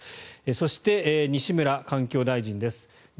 そして、西村環境大臣です。